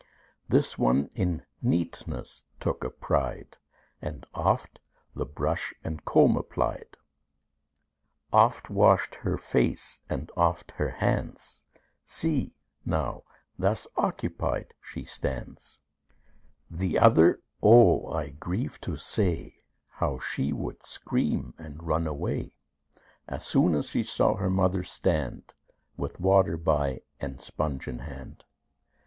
This one in neatness took a pride, And oft the brush and comb applied; Oft washed her face, and oft her hands; See, now, thus occupied she stands. The other oh! I grieve to say How she would scream and run away, Soon as she saw her mother stand, With water by, and sponge in hand.